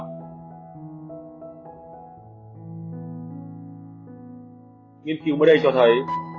một nghiên cứu mới đây cho thấy